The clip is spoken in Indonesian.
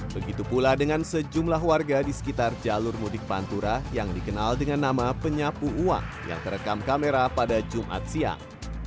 begitu pula dengan sejumlah warga di sekitar jalur mudik pantura yang dikenal dengan nama penyapu uang yang terekam kamera pada jumat siang